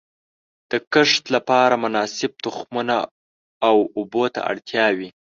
د کښت لپاره مناسب تخمونو او اوبو ته اړتیا وي.